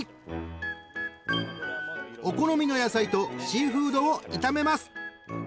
［お好みの野菜とシーフードを炒めます］